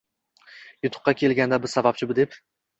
Yutuqqa kelganda biz sababchi deb